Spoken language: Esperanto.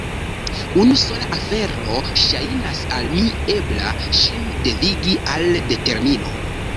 Unu sola afero ŝajnas al mi ebla: ŝin devigi al determino.